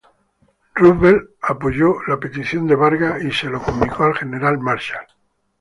Roosevelt apoyó la petición de Vargas, y se lo comunicó al general Marshall.